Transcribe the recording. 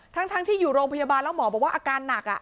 ทั้งที่อยู่โรงพยาบาลแล้วหมอบอกว่าอาการหนัก